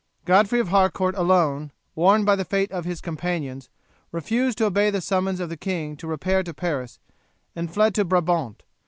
Godfrey of Harcourt alone, warned by the fate of his companions, refused to obey the summons of the king to repair to Paris, and fled to Brabant.